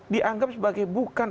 dianggap sebagai bukan